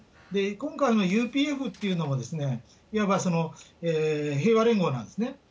今回のＵＰＦというのが、いわば平和連合なんですね。